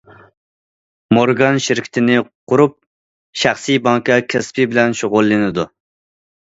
مورگان شىركىتىنى قۇرۇپ، شەخسىي بانكا كەسپى بىلەن شۇغۇللىنىدۇ.